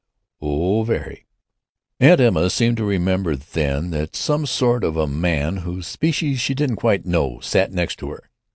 "Oh, very." Aunt Emma seemed to remember, then, that some sort of a man, whose species she didn't quite know, sat next to her.